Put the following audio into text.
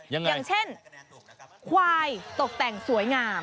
อย่างเช่นควายตกแต่งสวยงาม